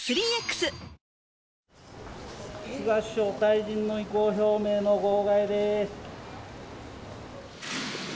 菅首相、退陣の意向表明の号外です。